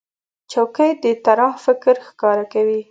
چوکۍ د طراح فکر ښکاره کوي.